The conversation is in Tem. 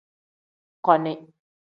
Koni.